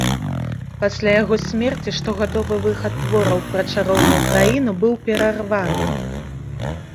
Пасля яго смерці штогадовы выхад твораў пра чароўную краіну быў перарваны.